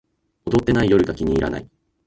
踊ってない夜が気に入らない